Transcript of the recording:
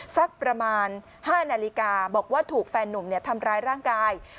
สักประมาณ๕นาฬิกาบอกว่าถูกแฟนหนุ่มทำร้ายร่างกาย